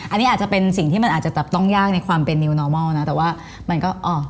อันนี้อาจจะเป็นสิ่งที่มันอาจจะจับต้องยากในความเป็นนิวนอร์มอลนะแต่ว่ามันก็อ๋อ